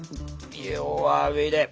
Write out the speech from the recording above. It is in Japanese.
弱火で。